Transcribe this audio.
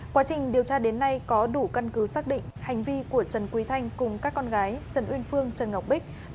quá trình điều tra đến nay có đủ căn cứ xác định hành vi của trần quý thanh cùng các con gái trần uyên phương trần ngọc bích